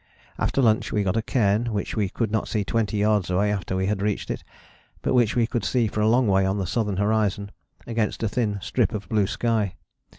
After lunch we got a cairn which we could not see twenty yards away after we had reached it, but which we could see for a long way on the southern horizon, against a thin strip of blue sky.